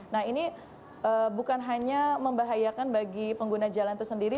nah ini bukan hanya membahayakan bagi pengguna jalan itu sendiri